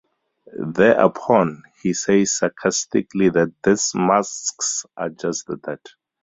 Thereupon, he says sarcastically that these masks are just that.